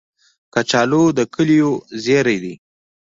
کچالو د کلیو زېری دی